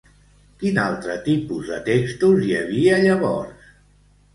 Quin altre tipus de textos hi havia llavors?